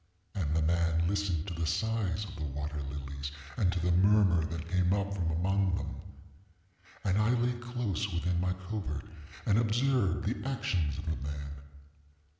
And the man listened to the sighs of the water lilies, and to the murmur that came up from among them. And I lay close within my covert and observed the actions of the man.